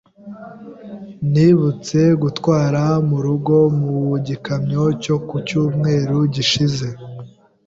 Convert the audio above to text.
Nibutse gutwara mu rugo mu gikamyo cyo ku cyumweru gishize.